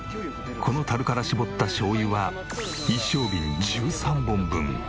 この樽から搾ったしょうゆは一升瓶１３本分。